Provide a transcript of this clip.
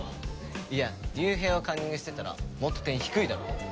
いや龍平をカンニングしてたらもっと点低いだろ。